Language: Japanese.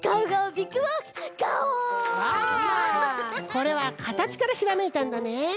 これはかたちからひらめいたんだね。